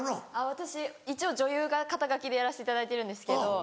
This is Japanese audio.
私女優が肩書でやらせていただいてるんですけど。